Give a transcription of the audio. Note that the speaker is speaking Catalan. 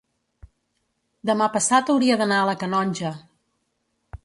demà passat hauria d'anar a la Canonja.